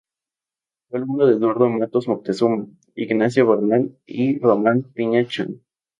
Fue alumno de Eduardo Matos Moctezuma, Ignacio Bernal y Román Piña Chan.